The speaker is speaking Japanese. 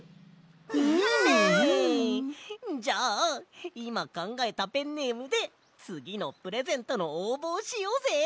じゃあいまかんがえたペンネームでつぎのプレゼントのおうぼをしようぜ！